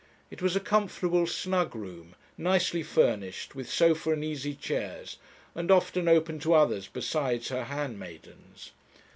It was a comfortable snug room, nicely furnished, with sofa and easy chairs, and often open to others besides her handmaidens.